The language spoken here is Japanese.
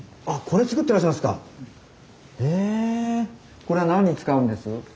これは何に使うんです？